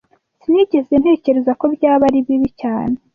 Sinigeze ntekereza ko byaba ari bibi cyane